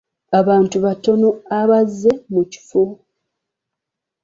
Abantu batono abazze mu kifo.